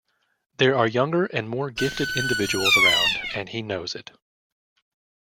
There are younger and more gifted individuals around and he knows it.